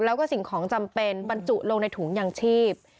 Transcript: แล้วก็สิ่งของจำเป็นบรรจุลงในถุงยางชีพ